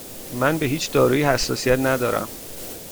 من به هیچ دارویی حساسیت ندارم.